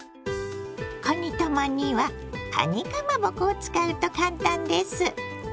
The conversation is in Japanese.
かにたまにはかにかまぼこを使うと簡単です。